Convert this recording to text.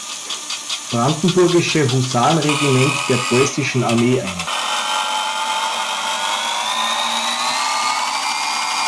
Brandenburgische Husaren-Regiment der Preußischen Armee ein.